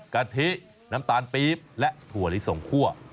กะทิน้ำตาลปี๊บและถั่วลิสงคั่ว